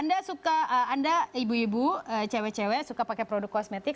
anda suka anda ibu ibu cewek cewek suka pakai produk kosmetik